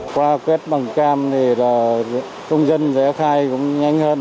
qua quét bằng cam thì công dân sẽ khai cũng nhanh hơn